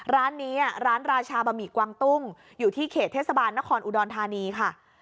ร้านนี้ร้านราชาบะหมี่กวางตุ้งอยู่ที่เขตเทศบาลนครอุดรธานีค่ะ